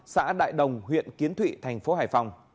xã đại đồng huyện kiến thụy thành phố hải phòng